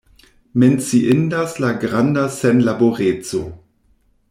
Menciindas la granda senlaboreco.